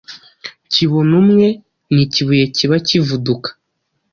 Kibonumwe ni ikibuye kiba kivuduka